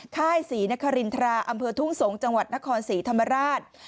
ค่ายศรีนครินทราอำเภอทุ่งสงศ์จังหวัดนครศรีธรรมราช